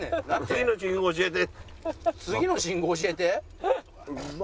「次の信号教えて」？